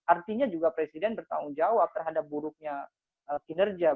artinya juga presiden bertanggung jawab terhadap buruknya kinerja